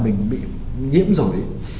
mình bị nhiễm rồi